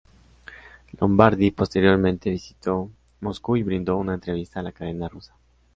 Lombardi, posteriormente visitó Moscú y brindó una entrevista a la cadena rusa.